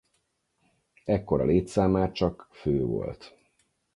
Ekkor a létszám már csak fő volt.